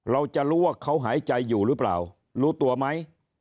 เราจะรู้ว่าเขาหายใจอยู่หรือเปล่ารู้ตัวไหม